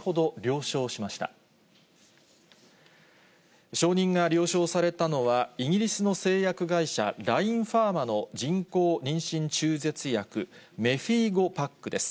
承認が了承されたのは、イギリスの製薬会社、ラインファーマの人工妊娠中絶薬、メフィーゴパックです。